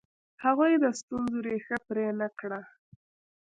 هغوی د ستونزو ریښه پرې نه کړه.